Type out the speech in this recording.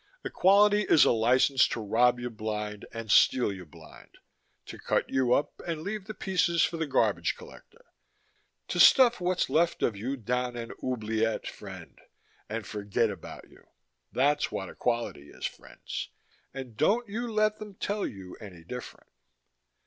Equality is a license to rob you blind and steal you blind, to cut you up and leave the pieces for the garbage collector, to stuff what's left of you down an oubliette, friend, and forget about you. That's what equality is, friends, and don't you let them tell you any different.